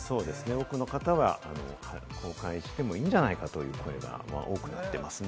多くの方は公開してもいいんじゃないかという声が多くなってますね。